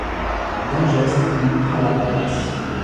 D'un geste, il montra la paillasse.